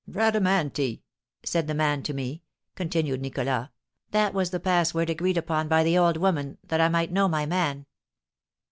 "'Bradamanti,' said the man to me," continued Nicholas; "that was the password agreed upon by the old woman, that I might know my man.